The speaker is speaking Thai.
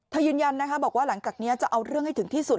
ยืนยันนะคะบอกว่าหลังจากนี้จะเอาเรื่องให้ถึงที่สุด